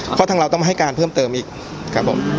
เพราะทางเราต้องให้การเพิ่มเติมอีกครับผม